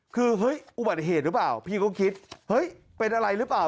คือเฮ้ยอุบัติเหตุหรือเปล่าพี่ก็คิดเฮ้ยเป็นอะไรหรือเปล่า